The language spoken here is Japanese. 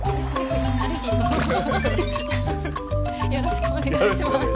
よろしくお願いします。